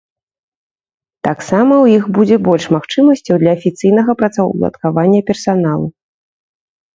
Таксама ў іх будзе больш магчымасцяў для афіцыйнага працаўладкавання персаналу.